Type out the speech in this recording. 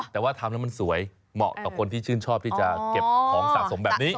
แต่ว่าทำแล้วมันสวยเหมาะกับคนที่ชื่นชอบที่จะเก็บของสะสมแบบนี้